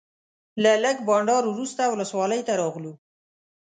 له لږ بانډار وروسته ولسوالۍ ته راغلو.